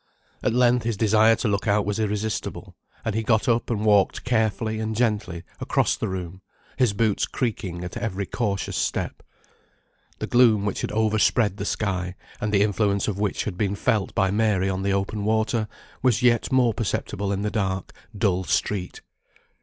At length his desire to look out was irresistible, and he got up and walked carefully and gently across the room, his boots creaking at every cautious step. The gloom which had overspread the sky, and the influence of which had been felt by Mary on the open water, was yet more perceptible in the dark, dull street.